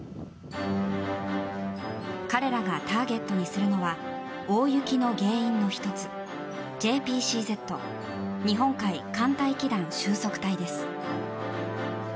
彼らがターゲットにするのは大雪の原因の１つＪＰＣＺ・日本海寒帯気団収束帯です。